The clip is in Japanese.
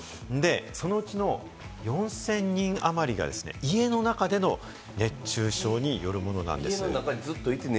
そのうちの４０００人あまりが家の中での熱中症によるものなんです。